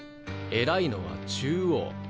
偉いのは中央。